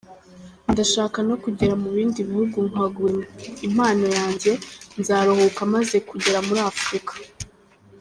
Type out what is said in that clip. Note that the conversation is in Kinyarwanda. Ndashaka no kugera mu bindi bihugu nkagura impano yanjye, nzaruhuka maze kugera muri Afurika.